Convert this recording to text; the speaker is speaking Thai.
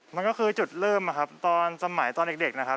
มันก็คือจุดเริ่มนะครับตอนสมัยตอนเด็กนะครับ